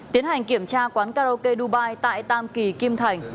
tiến hành kiểm tra quán karaoke dubai tại tam kỳ kim thành